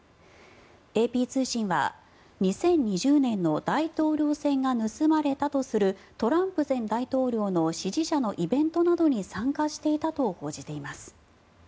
ＡＰ通信は、２０２０年の大統領選が盗まれたとするトランプ前大統領の支持者のイベントなどに参加していたと報じています。